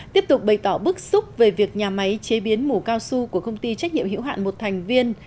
tiếp tục bày tỏ bức xúc về việc nhà máy chế biến mủ cao su của công ty trách nhiệm hữu hạn một thành viên